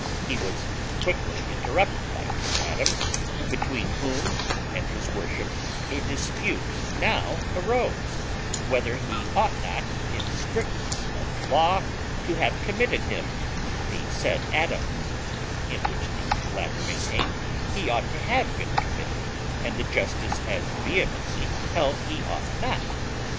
He was quickly interrupted by Mr Adams, between whom and his worship a dispute now arose, whether he ought not, in strictness of law, to have committed him, the said Adams; in which the latter maintained he ought to have been committed, and the justice as vehemently held he ought not.